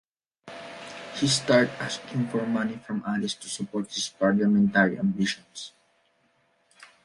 He starts asking for money from Alice to support his parliamentary ambitions.